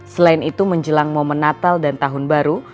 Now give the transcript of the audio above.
selain itu menjelang momen natal dan tahun baru